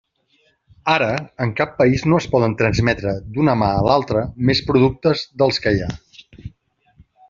Ara, en cap país no es poden transmetre d'una mà a l'altra més productes dels que hi ha.